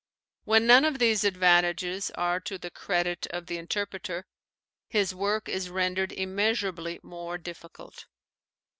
When none of these advantages are to the credit of the interpreter, his work is rendered immeasurably more difficult.